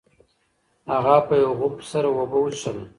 هغه په یو غوپ سره اوبه وڅښلې.